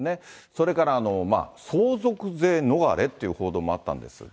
それから相続税逃れという報道もあったんですが。